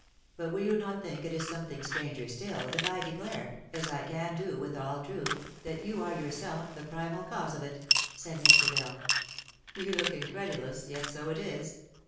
But will you not think it something; stranger still, if I declare, as I can do with all truth, that you are yourself the primal cause of it?" said Mr. Bell. " You look incredulous, yet so it is.